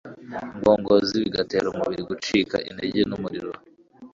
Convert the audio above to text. ngongozi bigatera umubiri gucika intege numuriro